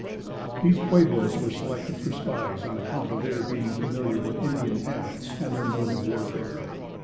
These Pueblos were selected for spies on account of their being familiar with Indian habits and their mode of warfare.